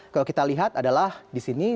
kalau kita lihat adalah di sini